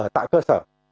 tại cơ sở